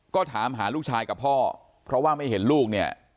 ก็ถามหาลูกชายกับพ่อเพราะว่าไม่เห็นลูกเนี่ย